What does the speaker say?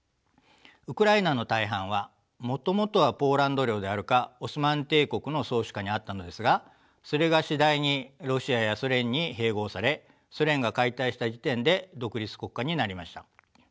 ウクライナの大半はもともとはポーランド領であるかオスマン帝国の宗主下にあったのですがそれが次第にロシアやソ連に併合されソ連が解体した時点で独立国家になりました。